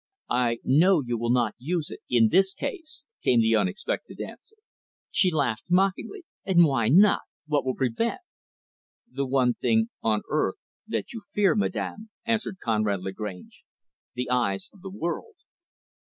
"I know you will not use it in this case," came the unexpected answer. She laughed mockingly, "And why not? What will prevent?" "The one thing on earth, that you fear, madam" answered Conrad Lagrange "the eyes of the world."